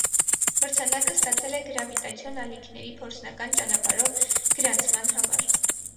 Մրցանակը ստացել է գրավիտացիոն ալիքների փորձնական ճանապարհով գրանցման համար։